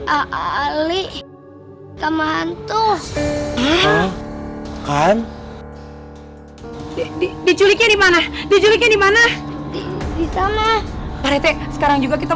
ali sama hantu kan di di di di mana di mana sekarang juga kita